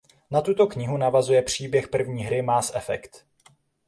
Na tuto knihu navazuje příběh první hry Mass Effect.